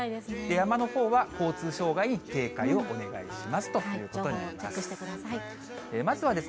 山のほうは交通障害に警戒をお願いしますということになります。